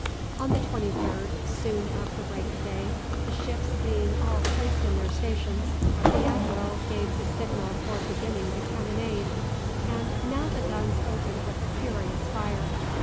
On the 23rd, soon after break of day, the ships being all placed in their stations, the admiral gave the signal for beginning the cannonade; and now the guns opened with a furious fire.